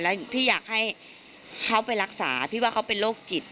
แล้วพี่อยากให้เขาไปรักษาพี่ว่าเขาเป็นโรคจิต